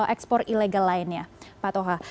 ekspor ilegal lainnya pak toha